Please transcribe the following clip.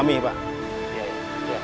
minta ibak jagad